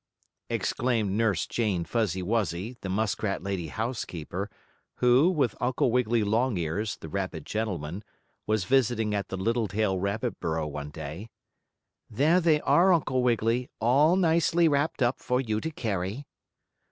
exclaimed Nurse Jane Fuzzy Wuzzy, the muskrat lady housekeeper, who, with Uncle Wiggily Longears, the rabbit gentleman, was visiting at the Littletail rabbit burrow one day. "There they are, Uncle Wiggily, all nicely wrapped up for you to carry."